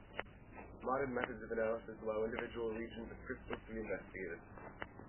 Modern methods of analysis allow individual regions of crystals to be investigated.